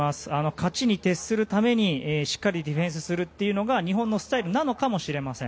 勝ちに徹するためにしっかりディフェンスするのが日本のスタイルなのかもしれません。